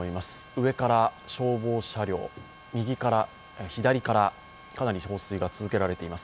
うえから消防車両、左からかなり放水が続けられています。